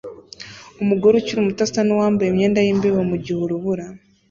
Umugore ukiri muto asa nuwambaye imyenda yimbeho mugihe urubura